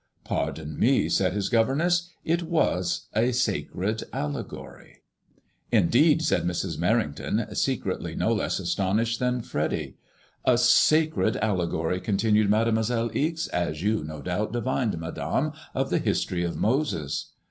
" Pardon me," said his gover ness, it was a sacred allegory/' " Indeed," said Mrs. Merring ton, secretly no less astonished than Freddy* " A sacred allegory," continued Mademoiselle Ixe, ''as you, no doubt, divined, Madame, of the history of Moses."